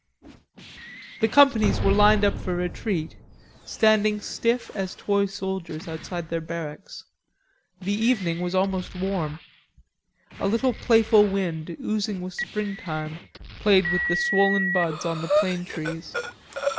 The companies were lined up for retreat, standing stiff as toy soldiers outside their barracks. The evening was almost warm. A little playful wind, oozing with springtime, played with the swollen buds on the plane trees.